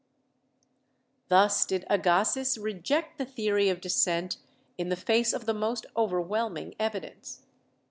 Thus did Agassiz reject the theory of descent in the face of the most overwhelming evidence.